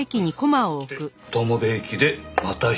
そして友部駅でまた１人。